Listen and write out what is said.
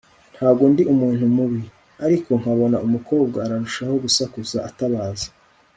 ntago ndi umuntu mubi!? ariko nkabona umukobwa ararushaho gusakuza atabaza